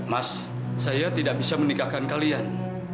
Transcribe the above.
mas saya tidak bisa menikahkan kalian